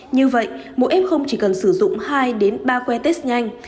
như vậy mỗi f chỉ cần sử dụng hai đến ba que test nhanh